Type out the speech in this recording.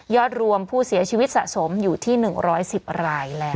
รวมผู้เสียชีวิตสะสมอยู่ที่๑๑๐รายแล้ว